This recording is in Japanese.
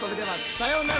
さようなら。